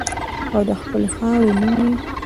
او د خپلې خاورې نوم یې